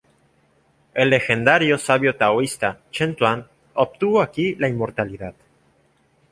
El legendario sabio taoísta Chen Tuan obtuvo aquí la inmortalidad.